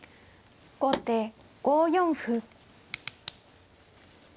後手５四歩。